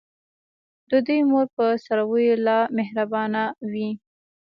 د دوی مور په څارویو لا مهربانه وي.